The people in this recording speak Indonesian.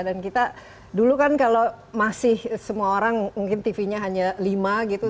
dan kita dulu kan kalau masih semua orang mungkin tv nya hanya lima gitu